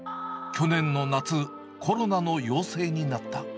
去年の夏、コロナの陽性になった。